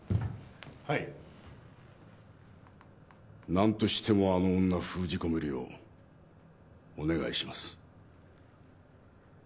何としてもあの女封じ込めるようお願いします。